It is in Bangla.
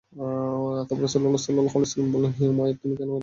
তারপর রাসূলুল্লাহ সাল্লাল্লাহু আলাইহি ওয়াসাল্লাম বললেন, হে উমাইর, তুমি কেন এলে?